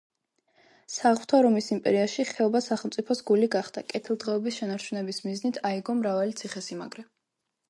საღვთო რომის იმპერიაში, ხეობა სახელმწიფოს გული გახდა, კეთილდღეობის შენარჩუნების მიზნით აიგო მრავალი ციხესიმაგრე.